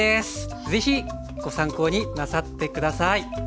是非ご参考になさって下さい。